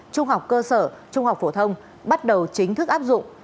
trung học cơ sở trung học phổ thông bắt đầu chính thức áp dụng